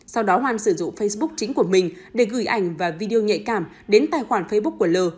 sau đó hoan sử dụng facebook chính của mình để gửi ảnh và video nhạy cảm đến tài khoản facebook của l